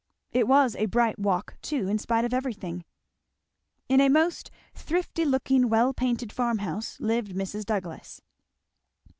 It was a bright walk, too, in spite of everything. In a most thrifty looking well painted farm house lived Mrs. Douglass.